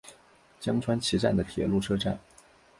江川崎站的铁路车站。